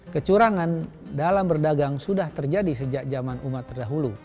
kecurangan dalam berdagang sudah terjadi sejak zaman umat terdahulu